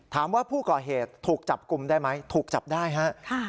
ถามว่าผู้ก่อเหตุถูกจับกลุ่มได้ไหมถูกจับได้ฮะ